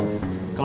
nanti bisa dikawal